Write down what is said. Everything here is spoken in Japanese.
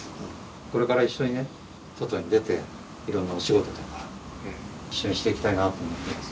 これから一緒にね外に出ていろんなお仕事とか一緒にしていきたいなと思っています。